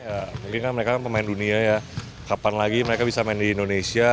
ya mungkin kan mereka pemain dunia ya kapan lagi mereka bisa main di indonesia